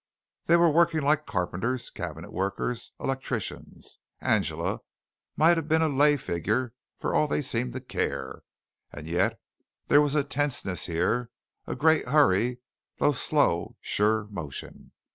They were working like carpenters, cabinet workers, electricians. Angela might have been a lay figure for all they seemed to care. And yet there was a tenseness here, a great hurry through slow sure motion.